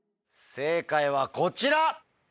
正解はこちら。